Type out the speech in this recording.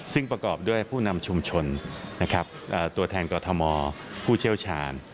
ซึ่งประกอบด้วยผู้นำชุมชนนะครับตัวแทนกรทมผู้เชี่ยวชาญ